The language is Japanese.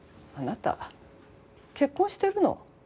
あなた結婚してるの？